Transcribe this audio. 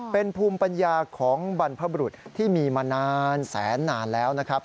เป็นภูมิปัญญาของบรรพบรุษที่มีมานานแสนนานแล้วนะครับ